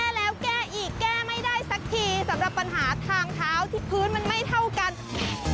โอ้โฮแม่คลึกมาแบบนี้ฝนตกลงมาทีไรเป็นปัญหาทุกทีค่ะ